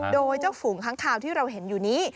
โดยเจ้าฝูงค้างคาวที่เราเห็นอยู่นี้